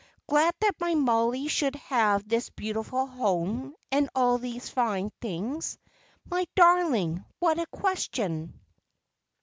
"Glad that my Mollie should have this beautiful home, and all these fine things? My darling, what a question!